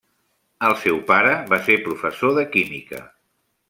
El seu pare va ser professor de química.